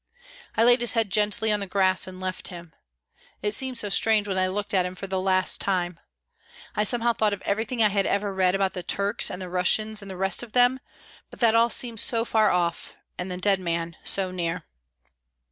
I laid his head gently on the grass and left him. It seemed so strange when I looked at him for the last time. I somehow thought of everything I had ever read about the Turks and the Russians, and the rest of them, but all that seemed so far off, and the dead man so near."